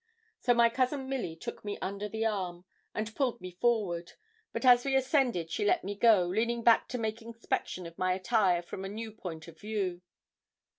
So my Cousin Milly took me under the arm, and pulled me forward; but as we ascended, she let me go, leaning back to make inspection of my attire from a new point of view.